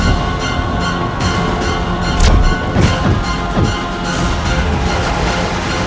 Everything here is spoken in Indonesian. ini adalah hayatidade mereka